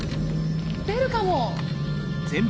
出るかも。